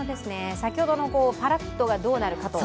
先ほどのぱらっとがどうなるかと。